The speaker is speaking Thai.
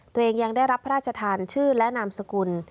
ยังได้รับพระราชทานชื่อและนามสกุล